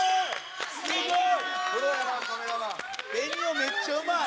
めっちゃうまい。